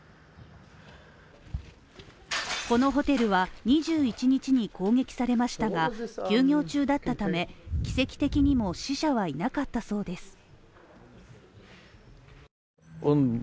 このホテルは２１日に攻撃されましたが休業中だったため奇跡的にも死者はいなかったそうです。